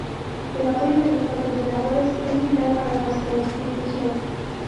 El apoyo de los patrocinadores es vital para nuestra institución.